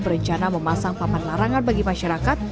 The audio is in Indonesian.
berencana memasang papan larangan bagi masyarakat